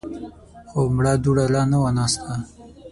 خو مړه دوړه لا نه وه ناسته.